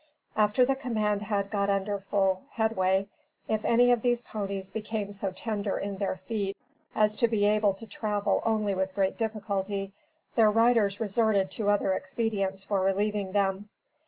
After the command had got under full headway, if any of these ponies became so tender in their feet as to be able to travel only with great difficulty, their riders resorted to other expedients for relieving them.